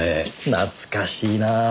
懐かしいなぁ。